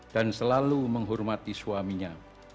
dan selalu menghormati suaminya